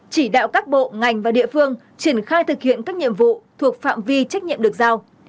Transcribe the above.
chỉ đạo các bộ ngành và địa phương triển khai thực hiện các nhiệm vụ thuộc phạm vi trách nhiệm được giao